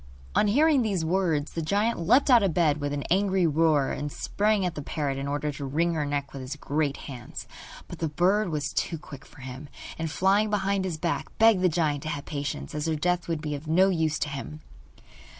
On hearing these words the giant leapt out of bed with an angry roar, and sprang at the parrot in order to wring her neck with his great hands. But the bird was too quick for him, and, flying behind his back, begged the giant to have patience, as her death would be of no use to him.